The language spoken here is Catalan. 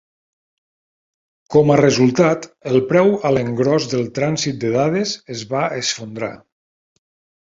Com a resultat, el preu a l'engròs del trànsit de dades es va esfondrar.